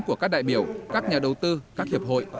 của các đại biểu các nhà đầu tư các hiệp hội